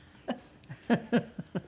フフフフ。